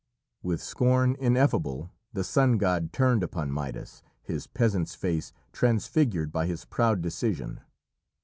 With scorn ineffable the sun god turned upon Midas, his peasant's face transfigured by his proud decision.